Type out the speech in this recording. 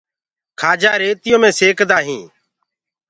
کآجآ ريتيو مي سيڪدآ هينٚ۔